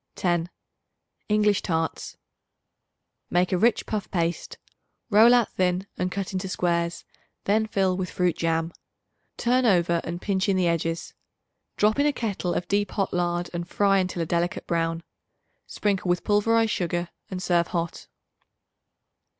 10. English Tarts. Make a rich puff paste; roll out thin and cut into squares; then fill with fruit jam; turn over and pinch in the edges. Drop in a kettle of deep hot lard and fry until a delicate brown. Sprinkle with pulverized sugar and serve hot.